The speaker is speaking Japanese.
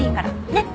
ねっ。